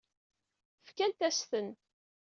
Fkant-as-ten.